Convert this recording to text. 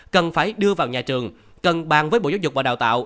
cần phải đưa vào nhà trường cần bàn với bộ giáo dục và đào tạo